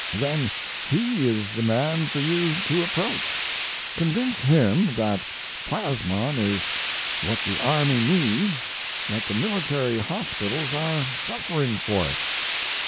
"Then he is the man for you to approach. Convince him that plasmon is what the army needs, that the military hospitals are suffering for it.